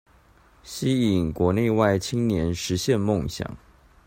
吸引國內外青年實現夢想